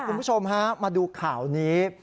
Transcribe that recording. คุณผู้ชมฮะมาดูข่าวนี้